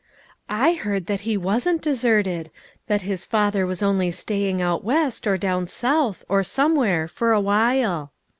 " I heard that he wasn't deserted ; that his father was only staying out West, or down South, or somewhere for awhile."